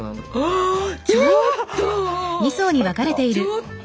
ちょっと。